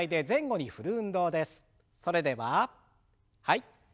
それでははい。